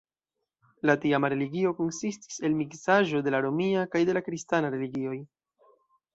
La tiama religio konsistis el miksaĵo de la romia kaj de la kristana religioj.